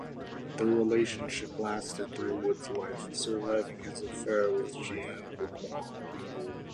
Their relationship lasted through Wood's life, surviving his affair with Jeanne Bourgoint.